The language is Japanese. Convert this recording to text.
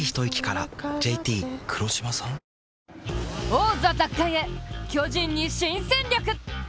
王座奪還へ、巨人に新戦力。